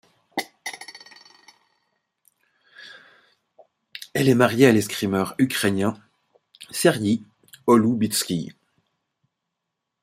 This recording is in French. Elle est mariée à l'escrimeur ukrainien Serhiy Holubytskyy.